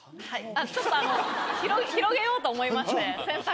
ちょっと広げようと思いまして。